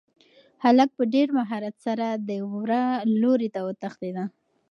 هلک په ډېر مهارت سره د وره لوري ته وتښتېد.